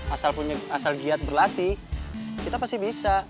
asal punya asal giat berlatih kita pasti bisa